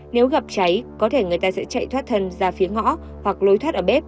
nếu gặp cháy có thể người ta sẽ chạy thoát thân ra phía ngõ hoặc lối thoát ở bếp